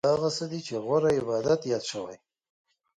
همدا هغه څه دي چې غوره عبادت یاد شوی.